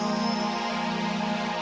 bukain dong kak